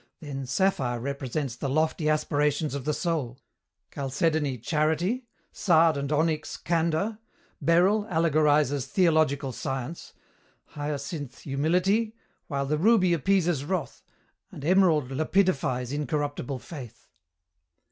Then, sapphire represents the lofty aspirations of the soul, chalcedony charity, sard and onyx candor, beryl allegorizes theological science, hyacinthe humility, while the ruby appeases wrath, and emerald 'lapidifies' incorruptible faith.